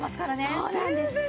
そうなんですよね。